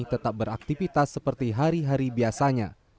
tetap beraktivitas seperti hari hari biasanya